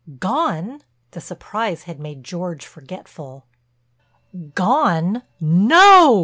"Gone?" The surprise had made George forgetful. "Gone—no!"